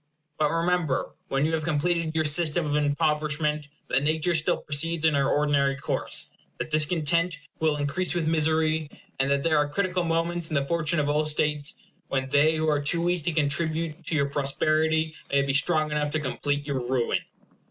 But remember, when you have completed your system of impoverishment, that nature still proceeds in her ordinary course; that discontent will increase with misery; and that there are critical moments in the fortune of all states when they who are too weak to contribute to your prosperity may be strong enough to complete your ruin.